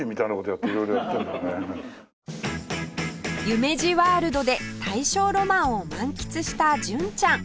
夢二ワールドで大正ロマンを満喫した純ちゃん